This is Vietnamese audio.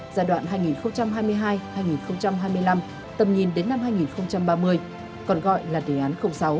giai đoạn hai nghìn hai mươi hai hai nghìn hai mươi năm tầm nhìn đến năm hai nghìn ba mươi còn gọi là đề án sáu